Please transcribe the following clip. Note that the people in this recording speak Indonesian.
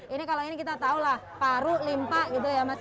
ini kalau ini kita tahu lah paru limpa gitu ya mas